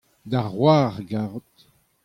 da c'hoar a garot.